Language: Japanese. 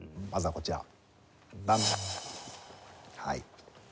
はい。